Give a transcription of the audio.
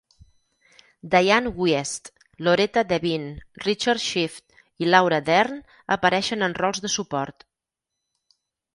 Dianne Wiest, Loretta Devine, Richard Schiff i Laura Dern apareixen en rols de suport.